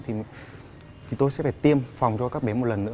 thì tôi sẽ phải tiêm phòng cho các bé một lần nữa